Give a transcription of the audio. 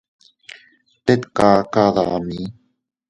Tet kaka dami.